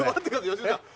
良純さん